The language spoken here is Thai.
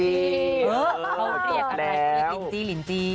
เหลือกแต่ลิลลิลจี